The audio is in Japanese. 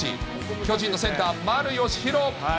巨人のセンター、丸佳浩。